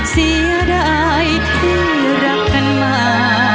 เสียดายที่รักกันมา